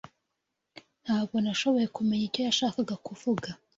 Ntabwo nashoboye kumenya icyo yashakaga kuvuga.